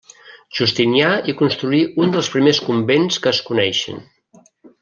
Justinià hi construí un dels primers convents que es coneixen.